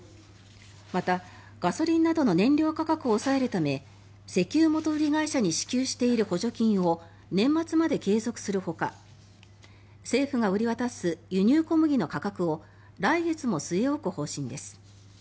また、ガソリンなどの燃料価格を抑えるため石油元売り会社に支給している補助金を年末まで継続するほか政府が売り渡す輸入小麦の価格を来月も据え置く方針です。